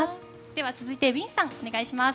では続いてウィンさんお願いします。